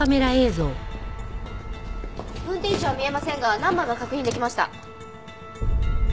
運転手は見えませんがナンバーが確認できました。